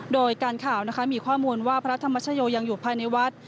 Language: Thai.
โดยการข่าวนะคะมีข้อมูลว่าพระธรรมชโยยังอยู่ภายในวัด